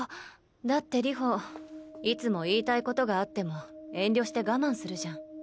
だって流星いつも言いたいことがあっても遠慮して我慢するじゃん。